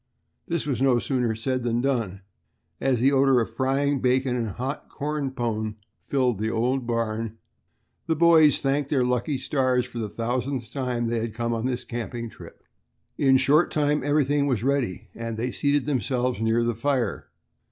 This was no sooner said than done, and as the odor of frying bacon and hot "corn pone" filled the old barn, the boys thanked their lucky stars for the thousandth time that they had come on this camping trip. In a short time everything was ready, and they seated themselves near the fire.